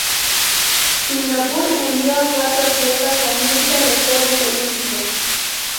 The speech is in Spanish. Singapur envió a cuatro atletas a unirse a los Juegos Olímpicos.